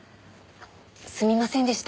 すみませんでした。